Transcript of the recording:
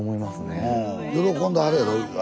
喜んではるやろ？